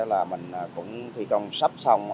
là mình cũng thi công sắp xong